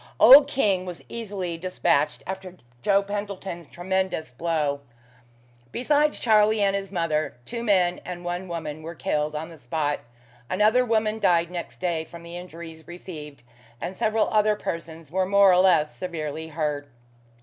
Old King was easily despatched after Joe Pentland's tremendous blow. Besides Charlie and his mother, two men and one woman were killed on the spot: another woman died next day from the injuries received, and several other persons were more or less severely hurt.